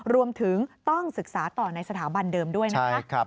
รวมถึงต้องศึกษาต่อในสถาบันเดิมด้วยนะคะ